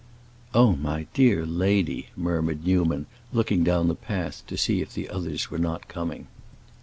"Oh, my dear lady," murmured Newman, looking down the path to see if the others were not coming.